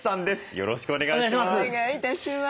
よろしくお願いします。